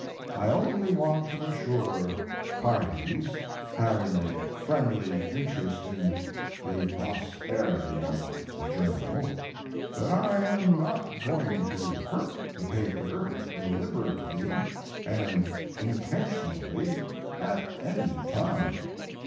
I only want to assure parties having a friendly interest in the prosperity of the journal that I am not going to hurt the paper deliberately and intentionally at any time.